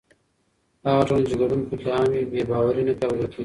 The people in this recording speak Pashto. هغه ټولنه چې ګډون پکې عام وي، بې باوري نه پیاوړې کېږي.